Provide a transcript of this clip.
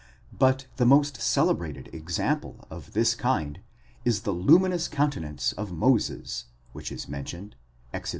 1% But the most celebrated example of this kind is the luminous countenance of Moses, which is mentioned, Exod.